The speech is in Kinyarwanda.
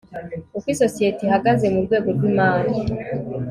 uko isosiyete ihagaze mu rwego rw imari